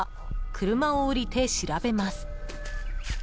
車を降りて調べます。